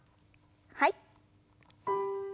はい。